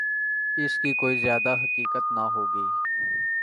اس کی کوئی زیادہ حقیقت نہ ہو گی۔